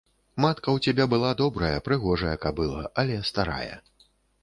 Матка ў цябе была добрая, прыгожая кабыла, але старая.